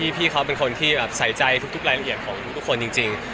พี่เขาเป็นคนที่ใส่ใจทุกรายละเอียดของทุกคนจริง